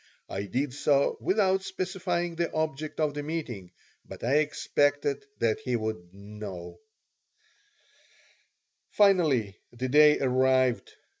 I did so without specifying the object of the meeting, but I expected that he would know Finally the day arrived.